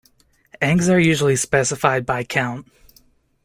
Eggs are usually specified by count.